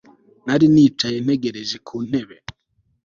Nari nicaye ntegereje ku ntebe